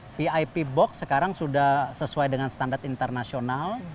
vip box sekarang sudah sesuai dengan standar internasional